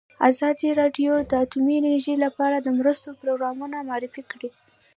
ازادي راډیو د اټومي انرژي لپاره د مرستو پروګرامونه معرفي کړي.